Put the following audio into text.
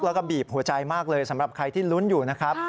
แล้วก็บีบหัวใจมากเลยสำหรับใครที่ลุ้นอยู่นะครับ